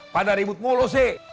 pada ributmu lho sih